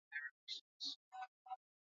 uka kutuma ujumbe mfupi wa maandishi ama arafa